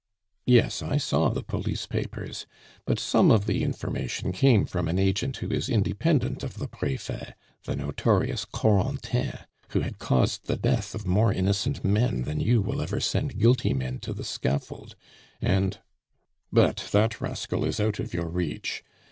"Yes, I saw the police papers; but some of the information came from an agent who is independent of the Prefet, the notorious Corentin, who had caused the death of more innocent men than you will ever send guilty men to the scaffold, and But that rascal is out of your reach.